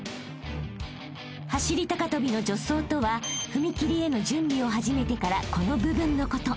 ［走り高跳びの助走とは踏み切りへの準備を始めてからこの部分のこと］